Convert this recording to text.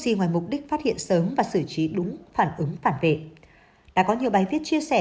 ngoài mục đích phát hiện sớm và xử trí đúng phản ứng phản vệ đã có nhiều bài viết chia sẻ